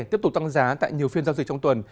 tiếp tục tăng giá tại nhiều phiên giao dịch trong tuần